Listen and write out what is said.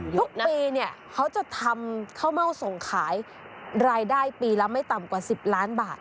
ทุกปีเนี่ยเขาจะทำข้าวเม่าส่งขายรายได้ปีละไม่ต่ำกว่า๑๐ล้านบาท